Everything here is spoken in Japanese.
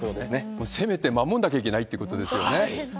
もう攻めて守んなきゃいけないということですよね。